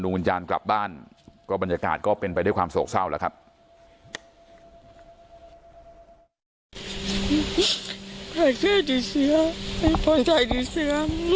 วิญญาณกลับบ้านก็บรรยากาศก็เป็นไปด้วยความโศกเศร้าแล้วครับ